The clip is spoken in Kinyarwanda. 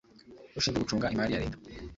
ushinzwe gucunga imari ya leta